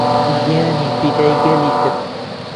گیانی فیدای گەلی کرد